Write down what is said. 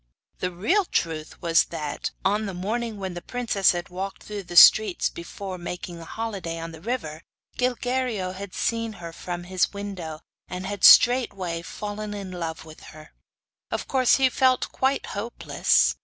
The real truth was that, on the morning when the princess had walked through the streets before making holiday on the river Gilguerillo had seen her from his window, and had straightway fallen in love with her. Of course he felt quite hopeless.